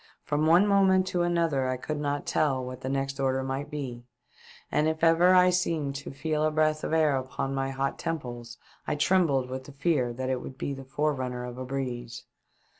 From one moment to another I could not tell what the next order might be, and if ever I seemed to feel a breath of air upon my hot temples, I trembled with the fear that it was the fore runner of a breeze.